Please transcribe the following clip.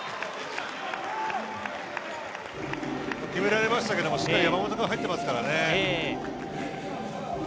決められましたけれども、しっかり山本君、入ってますからね。